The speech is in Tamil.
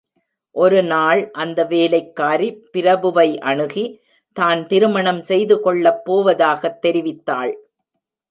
ஒரு நாள் அந்த வேலைக்காரி பிரபுவை அணுகி, தான் திருமணம் செய்து கொள்ளப் போவதாகத் தெரிவித்தாள்.